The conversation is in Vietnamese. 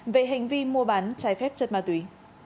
về hành vi mua bán trái phép chất ma túy